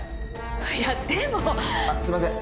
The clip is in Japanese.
いやでもあっすいません